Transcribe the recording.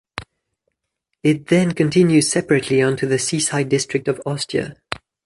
It then continues separately on to the seaside district of Ostia.